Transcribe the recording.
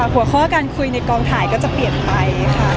หัวข้อการคุยในกองถ่ายก็จะเปลี่ยนไปค่ะ